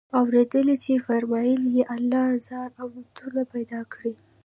اورېدلي چي فرمايل ئې: الله زر امتونه پيدا كړي